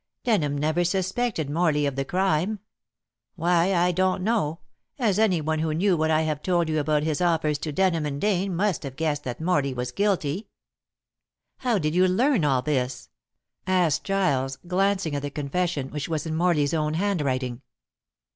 Denham never suspected Morley of the crime. Why, I don't know, as any one who knew what I have told you about his offers to Denham and Dane must have guessed that Morley was guilty." "How did you learn all this?" asked Giles, glancing at the confession which was in Morley's own handwriting.